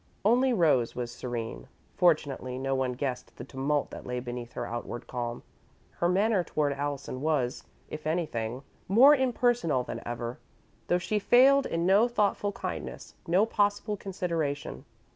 Only Rose was serene. Fortunately, no one guessed the tumult that lay beneath her outward calm. Her manner toward Allison was, if anything, more impersonal than ever, though she failed in no thoughtful kindness, no possible consideration.